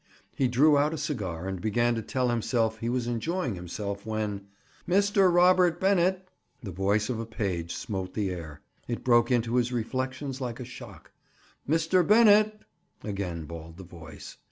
He drew out a cigar and began to tell himself he was enjoying himself when— "Mr. Robert Bennett!" The voice of a page smote the air. It broke into his reflections like a shock. "Mr. Bennett!" again bawled the voice.